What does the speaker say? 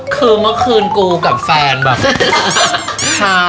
คือเมื่อคืนกูกับแฟนแบบช้า